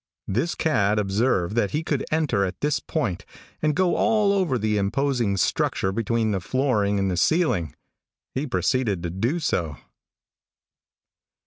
This cat observed that he could enter at this point and go all over the imposing structure between the flooring and the ceiling. He proceeded to do so.